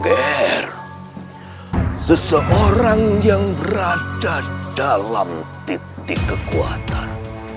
r seseorang yang berada dalam titik kekuatan